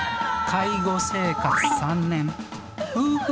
介護生活３年夫婦